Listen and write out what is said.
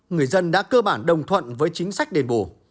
người dân đã cơ bản đồng thuận với chính sách đền bù